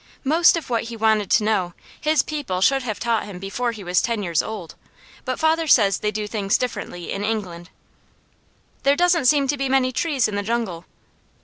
Most of what he wanted to know, his people should have taught him before he was ten years old, but father says they do things differently in England. "There doesn't seem to be many trees in the jungle."